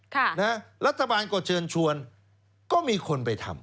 ค่ะนะรัฐบาลก็เชิญชวนก็มีคนไปทำ